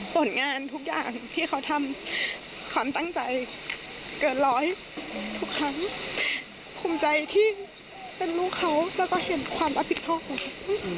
ผลงานทุกอย่างที่เขาทำความตั้งใจเกินร้อยทุกครั้งภูมิใจที่เป็นลูกเขาแล้วก็เห็นความรับผิดชอบของเขา